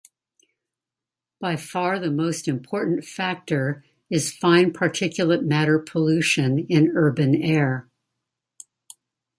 By far the most important factor is fine particulate matter pollution in urban air.